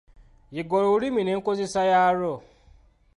Yiga olulimi n'enkozesa yaalwo.